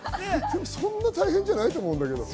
そんな大変じゃないと思いますけど。